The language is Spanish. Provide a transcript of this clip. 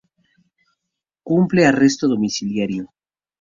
Cumple arresto domiciliario.